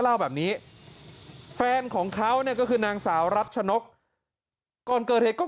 เล่าแบบนี้แฟนของเขาเนี่ยก็คือนางสาวรัชนกก่อนเกิดเหตุก็